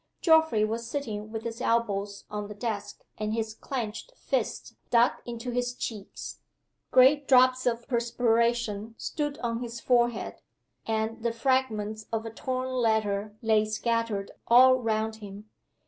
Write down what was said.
Geoffrey was sitting with his elbows on the desk, and his clenched fists dug into his cheeks. Great drops of perspiration stood on his forehead, and the fragments of a torn letter lay scattered all round him.